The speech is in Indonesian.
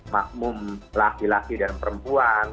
makmum laki laki dan perempuan